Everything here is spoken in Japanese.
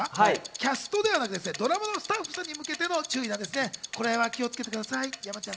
キャストではなくドラマのスタッフさんに向けての注意なんです。